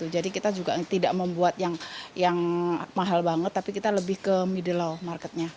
jadi kita juga tidak membuat yang mahal banget tapi kita lebih ke middle of marketnya